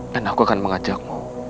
dan aku akan mengajakmu